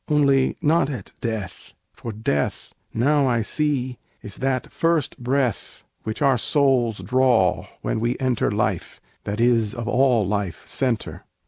Only not at death, for death Now I see is that first breath Which our souls draw when we enter Life, that is of all life centre.